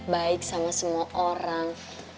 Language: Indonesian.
baik sama semua orang